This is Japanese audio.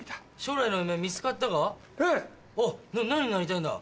何になりたいんだ？